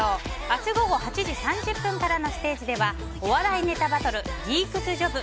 明日午後８時３０分からのステージでは、お笑いネタバトルギークスジョブ